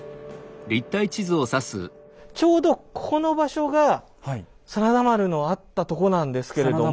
ちょうどここの場所が真田丸のあったとこなんですけれども。